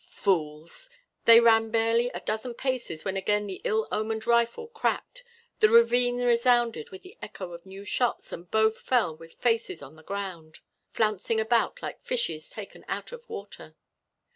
Fools! They ran barely a dozen paces when again the ill omened rifle cracked; the ravine resounded with the echo of new shots and both fell with faces on the ground, flouncing about like fishes taken out of water.